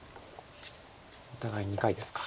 お互い２回ですか。